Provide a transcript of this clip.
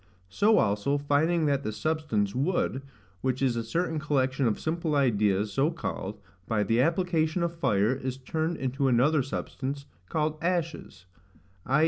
So also, finding that the substance, wood, which is a certain collection of simple ideas so called, by the application of fire, is turned into another substance, called ashes; i.